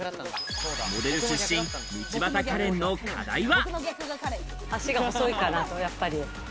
モデル出身、道端カレンの課題は。